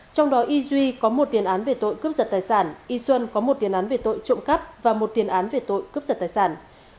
trong đó y duy có một tiền án về tội cướp giật tài sản y xuân có một tiền án về tội trộm cắp và một tiền án về tội cướp giật tài sản